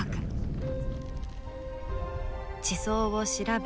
地層を調べ